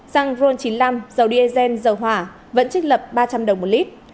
xăng ron chín mươi năm dầu diesel dầu hỏa vẫn trích lập ba trăm linh đồng một lít